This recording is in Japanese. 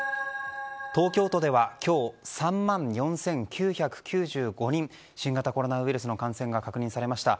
東京都では今日３万４９９５人新型コロナウイルスの感染が確認されました。